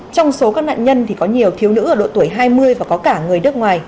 trong số các nạn nhân thì có nhiều thiếu nữ ở độ tuổi hai mươi và có cả người nước ngoài